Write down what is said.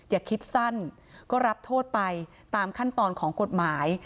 อย่าคิดสั้นก็รับโทษไปตามขั้นตอนของกฎหมาย